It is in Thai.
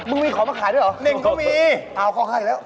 มึงมีของมาขายด้วยหรือเม่นก็มีอ้าวก็ขายแล้ว